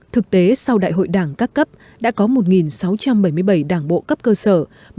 thực tế sau đại hội đảng các cấp đã có một sáu trăm bảy mươi bảy đảng bộ cấp cơ sở